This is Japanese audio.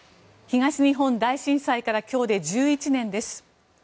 東日本大震災から今日で１１年です。